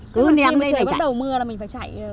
cứ ném đây chạy